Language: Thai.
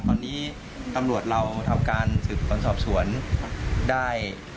ตอนนี้ตำรวจเราทำการสืบสวนสอบสวนได้